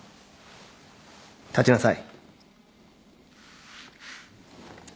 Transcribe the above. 立ちなさい。